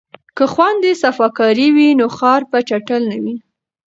که خویندې صفاکارې وي نو ښار به چټل نه وي.